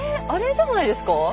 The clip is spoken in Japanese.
あれじゃないですか？